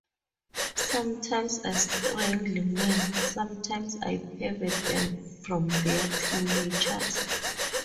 Sometimes I strangle men; sometimes I pervert them from their true natures.